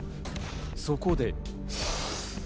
そこで。